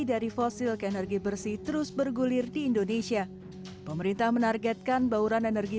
dari fosil ke energi bersih terus bergulir di indonesia pemerintah menargetkan bauran energi